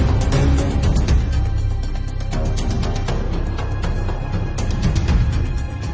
ตอนนี้ก็ไม่มีอัศวินทรีย์